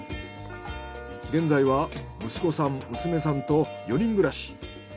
現在は息子さん娘さんと４人暮らし。